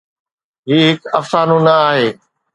هي هڪ افسانو نه آهي.